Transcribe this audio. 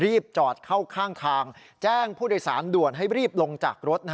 จอดเข้าข้างทางแจ้งผู้โดยสารด่วนให้รีบลงจากรถ